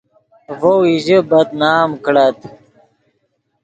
ڤؤ ایژے بد نام کڑت